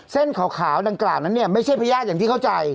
เส้นขาวดังกล่าวนั้นเนี่ยไม่ใช่พญาติอย่างที่เข้าใจ